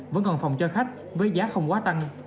vẫn còn phòng cho khách với giá không quá tăng